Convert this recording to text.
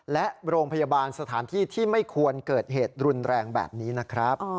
และโรงพยาบาลสถานที่ที่ไม่ควรเกิดเหตุรุนแรงแบบนี้นะครับ